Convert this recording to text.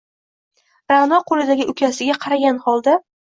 Ra’no qo’lidagi ukasiga qaragan holda: